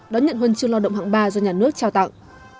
đón nhận huân chương lao động hạng ba do nhà nước trao tặng